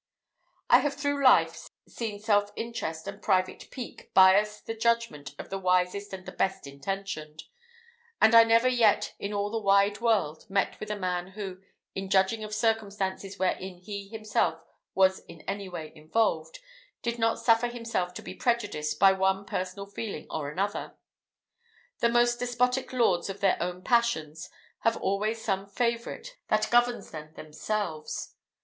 I have through life seen self interest and private pique bias the judgment of the wisest and the best intentioned; and I never yet in all the wide world met with a man who, in judging of circumstances wherein he himself was any way involved, did not suffer himself to be prejudiced by one personal feeling or another. The most despotic lords of their own passions have always some favourite that governs them themselves.